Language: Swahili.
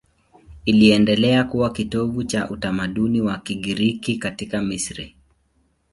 Iliendelea kuwa kitovu cha utamaduni wa Kigiriki katika Misri.